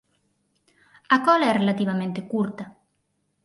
A cola é relativamente curta.